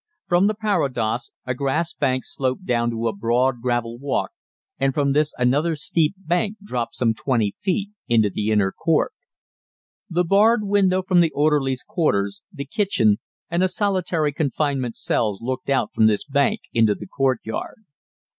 From the parados a grass bank sloped down to a broad gravel walk, and from this another steep bank dropped some 20 feet into the inner court. The barred window from the orderlies' quarters, the kitchen, and the solitary confinement cells looked out from this bank into the courtyard.